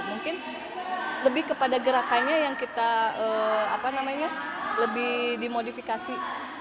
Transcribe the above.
mungkin lebih kepada gerakannya yang kita lebih dimodifikasi